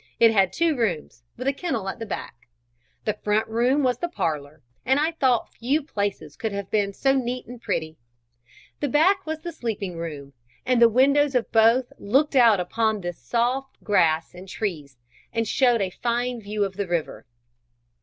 It had two rooms, with a kennel at the back. The front room was the parlour, and I thought few places could have been so neat and pretty. The back was the sleeping room, and the windows of both looked out upon the soft grass and trees, and showed a fine view of the river.